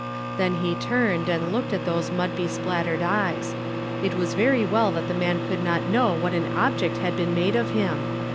Then he turned and looked at those mud beplastered eyes. It was well that the man could not know what an object had been made of him